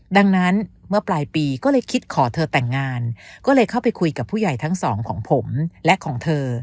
ดังนั้นเมื่อปลายปีก็เลยคิดขอเธอแต่งงานก็เลยเข้าไปคุยกับผู้ใหญ่ทั้งสองของผมและของเธอ